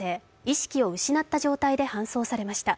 意識を失った状態で搬送されました。